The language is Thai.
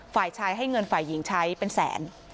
ฝ่ายชายให้เงินฝ่ายหญิงใช้เป็นแสน